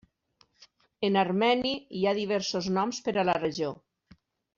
En armeni, hi ha diversos noms per a la regió.